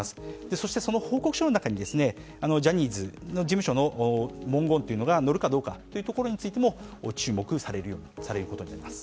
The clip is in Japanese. そして、その報告書の中にジャニーズ事務所の文言が載るかどうかについても注目されることになります。